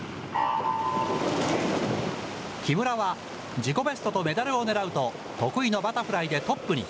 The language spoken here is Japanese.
木村は、自己ベストとメダルをねらうと、得意のバタフライでトップに。